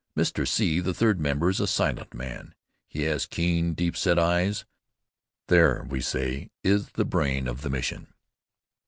Mr. C., the third member, is a silent man. He has keen, deep set eyes. "There," we say, "is the brain of the mission."